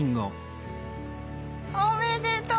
おめでとう！